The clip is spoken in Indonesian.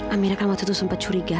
amira kan waktu itu sempat curiga